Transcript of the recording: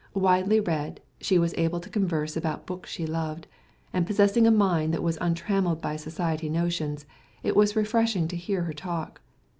Widely read, she was able to converse about books she loved, and possessing a mind that was untrammelled by society notions, it was refreshing to hear her talk.